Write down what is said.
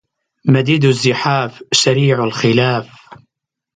مديد الزحاف سريع الخلاف